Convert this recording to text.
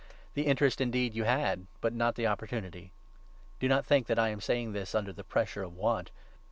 The interest indeed you had, but not the opportunity. Do not think that I am saying this n under the pressure of want.